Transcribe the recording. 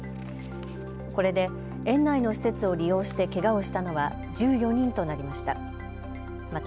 これで園内の施設を利用してけがをしたのは１４人となりました。